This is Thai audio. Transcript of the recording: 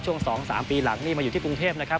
ช่วง๒๓ปีหลังนี่มาอยู่ที่กรุงเทพนะครับ